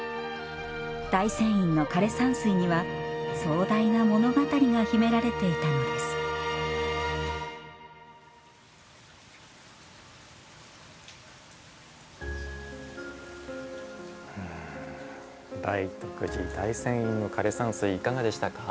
大仙院の枯山水には壮大な物語が秘められていたのです大徳寺大仙院の枯山水いかがでしたか？